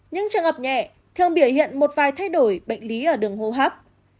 những trường hợp nhẹ thường biểu hiện một vài thay đổi bệnh lý ở đường hô hấp